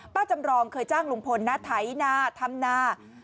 จำรองเคยจ้างลุงพลนะไถนาทำนา